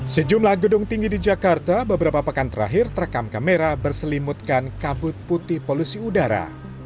sejumlah gedung tinggi di jakarta beberapa pekan terakhir terekam kamera berselimutkan kabut putih polusi udara